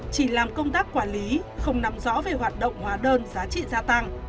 chỉ làm công tác quản lý không nằm rõ về hoạt động hóa đơn giá trị gia tăng